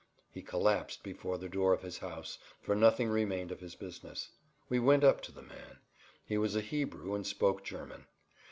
He collapsed before the door of his house, for nothing remained of his business. We went up to the man. He was a Hebrew and spoke German.